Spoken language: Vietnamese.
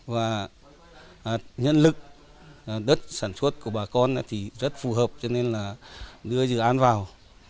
và nhân lực đất sản xuất của bà con thì rất phù hợp cho nên là đưa dự án vào